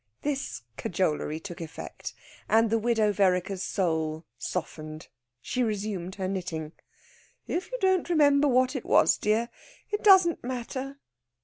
This cajolery took effect, and the Widow Vereker's soul softened. She resumed her knitting. "If you don't remember what it was, dear, it doesn't matter."